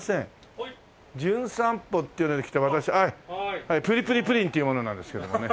『じゅん散歩』っていうので来た私ぷりぷりプリンっていう者なんですけどもね。